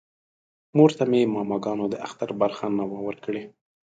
مور ته مې ماماګانو د اختر برخه نه وه ورکړې